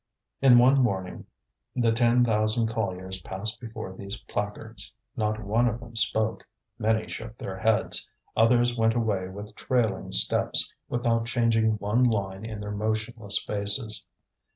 In one morning the ten thousand colliers passed before these placards. Not one of them spoke, many shook their heads, others went away with trailing steps, without changing one line in their motionless faces.